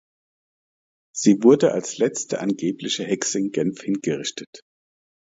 Sie wurde als letzte angebliche Hexe in Genf hingerichtet.